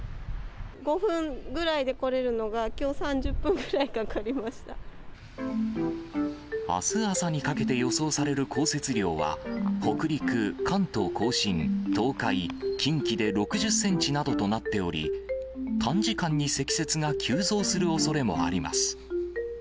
５分ぐらいで来れるのが、きょう、あす朝にかけて予想される降雪量は、北陸、関東甲信、東海、近畿で６０センチなどとなっており、短時間に積雪が急増するおそれもあります。